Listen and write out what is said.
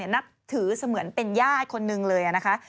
นับถือเสมือนเป็นญาติคนหนึ่งเลยนะคะ